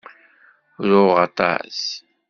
Ruɣ aṭas.